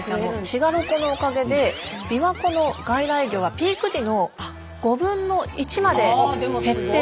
滋賀ロコのおかげでびわ湖の外来魚がピーク時の５分の１まで減っているんですね。